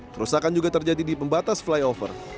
kerusakan juga terjadi di pembatas flyover